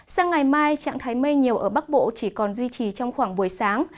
sang ngày mai trạng thái mây nhiều ở bắc bộ chỉ còn duy trì trong khoảng buổi sáng